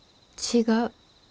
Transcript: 違う。